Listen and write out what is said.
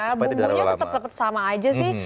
karena bumbunya tetap sama aja sih